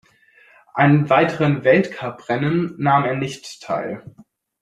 An weiteren Weltcuprennen nahm er nicht teil.